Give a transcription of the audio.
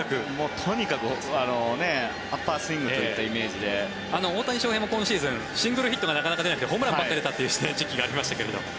とにかくアッパースイングといった大谷翔平も今シーズンシングルヒットがなかなかでなくてホームランばっかりだったということもありましたが。